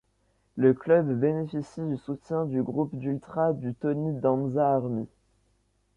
Le club bénéficie du soutien du groupe d'ultras du Tony Danza Army.